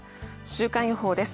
週間予報です。